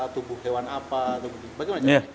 tubuh hewan apa bagaimana